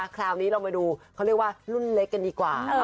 คราวนี้เรามาดูเขาเรียกว่ารุ่นเล็กกันดีกว่า